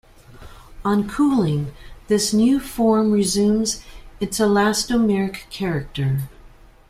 On cooling, this new form resumes its elastomeric character.